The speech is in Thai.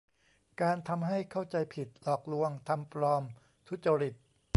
การทำให้เข้าใจผิด หลอกลวง ทำปลอม ทุจริต